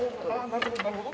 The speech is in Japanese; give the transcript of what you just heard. なるほどなるほど。